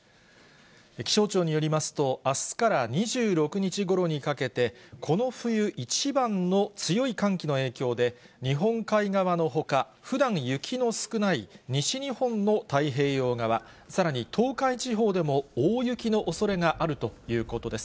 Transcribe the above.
気象庁によりますと、あすから２６日ごろにかけて、この冬一番の強い寒気の影響で、日本海側のほか、ふだん雪の少ない西日本の太平洋側、さらに東海地方でも、大雪のおそれがあるということです。